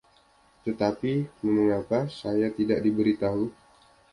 Tetapi mengapa saya tidak diberi tahu?